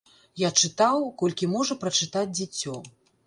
Я чытаў, колькі можа прачытаць дзіцё.